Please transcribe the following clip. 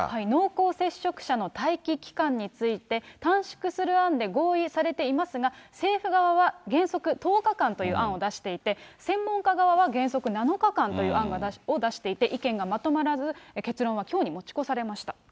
濃厚接触者の待機期間について、短縮する案で合意されていますが、政府側は、原則１０日間という案を出していて、専門家側は原則７日間という案を出していて、意見がまとまらず、結論はきょうに持ち越されました。